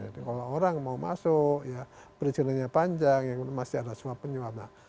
jadi kalau orang mau masuk perizinannya panjang masih ada suap penyuaman